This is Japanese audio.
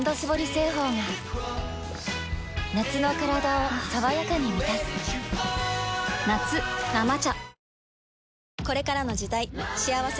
製法が夏のカラダを爽やかに満たす夏「生茶」